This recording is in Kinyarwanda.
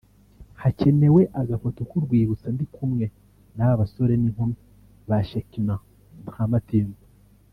‘Hakenewe agafoto k’urwibutso ndi kumwe n’aba basore n’inkumi ba Shekinah Drama Team’